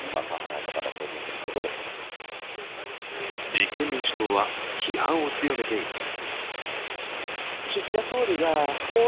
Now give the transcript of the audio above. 立憲民主党は批判を強めています。